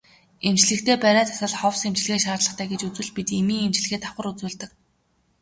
Эмчлэхдээ бариа засал ховс эмчилгээ шаардлагатай гэж үзвэл бид эмийн эмчилгээ давхар үзүүлдэг.